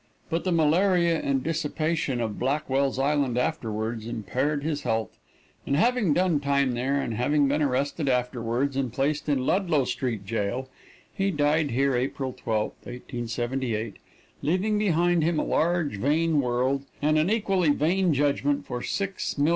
But the malaria and dissipation of Blackwell's Island afterwards impaired his health, and having done time there, and having been arrested afterwards and placed in Ludlow Street Jail, he died here April 12, 1878, leaving behind him a large, vain world, and an equally vain judgment for $6,537,117.